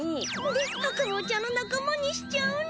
でアクムーちゃんの仲間にしちゃうの！